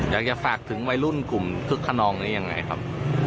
อยากจะฝากถึงวัยรุ่นกลุ่มคึกขนองนี้ยังไงครับ